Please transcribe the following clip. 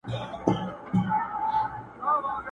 بوی د اصیل ګلاب په کار دی.!